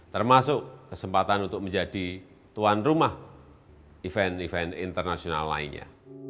termasuk kesempatan untuk menjadi tuan rumah event event internasional lainnya